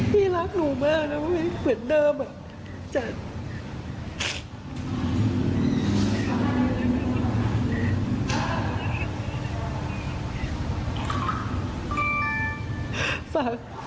พี่รักหนูมากนะเหมือนเดิมจันทร์